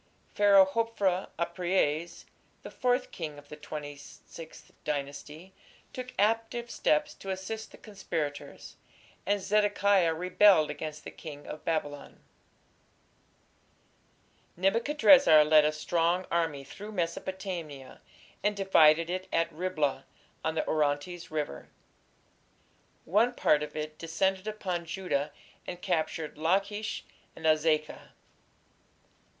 Pharaoh Hophra (Apries), the fourth king of the Twenty sixth Dynasty, took active steps to assist the conspirators, and "Zedekiah rebelled against the king of Babylon". Nebuchadrezzar led a strong army through Mesopotamia, and divided it at Riblah, on the Orontes River. One part of it descended upon Judah and captured Lachish and Azekah.